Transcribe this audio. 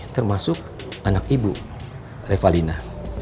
termasuk anak ibu revalina